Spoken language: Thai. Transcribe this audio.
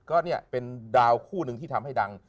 ก็เนี่ยเป็นดาวคู่หนึ่งที่ทำให้ดัง